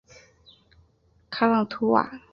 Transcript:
卡朗图瓦。